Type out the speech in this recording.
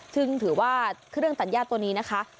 ซึ่งถือว่าเครื่องตัดย่าตัวนี้นะคะ